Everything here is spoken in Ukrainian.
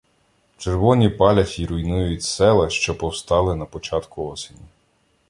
Червоні палять і руйнують села, що повстали на початку осені.